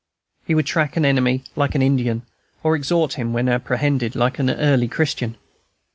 He would track an enemy like an Indian, or exhort him, when apprehended, like an early Christian.